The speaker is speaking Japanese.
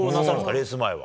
レース前は。